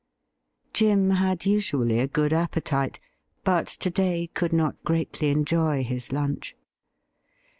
Jim had usually a good appetite, but to day could not greatly enjoy his lunch.